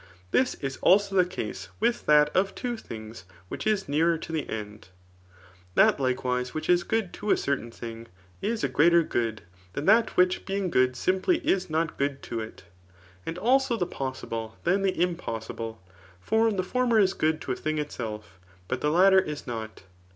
This is also the case with that of two things which is nearer to the end. That, Kkewise, which is good to a certain thing, is a greater good than that which being good simply is not good to it« And also the possable than the impossible. For the former is good to a thing itself, but the latter is not.